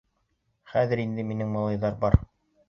Хәҙер инде минең малайҙар бар.